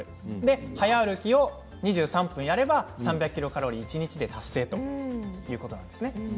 早歩きを２３分やれば３００ｋｃａｌ、一日で達成ということになります。